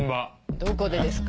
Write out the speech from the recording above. どこでですか？